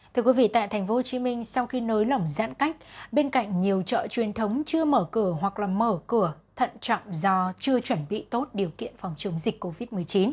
thưa quý vị tại tp hcm sau khi nới lỏng giãn cách bên cạnh nhiều chợ truyền thống chưa mở cửa hoặc là mở cửa thận trọng do chưa chuẩn bị tốt điều kiện phòng chống dịch covid một mươi chín